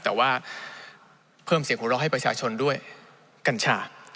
แต่ว่าเพิ่มเสียงหัวเราะให้ประชาชนด้วยกัญชา